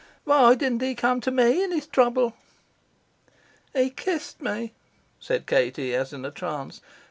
"Why didn't he come to me in his trouble?" "He kissed me," said Katie, as in a trance.